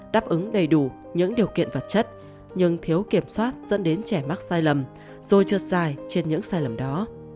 đáp ứng đầy đủ những điều kiện vật chất nhưng thiếu kiểm soát dẫn đến trẻ mắc sai lầm rồi trượt dài trên những sai lầm đó